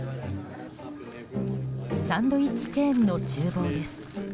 サンドイッチチェーンの厨房です。